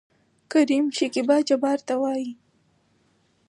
کريم : شکيبا جبار راته وايي.